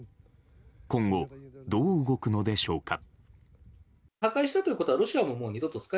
今後、どう動くのでしょうか？